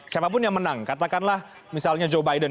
siapa pun yang menang katakanlah misalnya joe biden